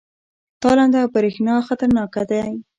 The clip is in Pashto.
تالنده او برېښنا خطرناک دي؟